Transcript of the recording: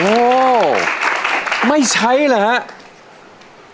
โอ้ไม่ใช้เหรอครับ